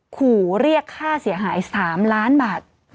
ขู่เรียกค่าเสียหาย๓ล้านบาท